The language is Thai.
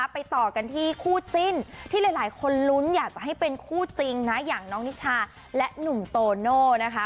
ไปต่อกันที่คู่จิ้นที่หลายคนลุ้นอยากจะให้เป็นคู่จริงนะอย่างน้องนิชาและหนุ่มโตโน่นะคะ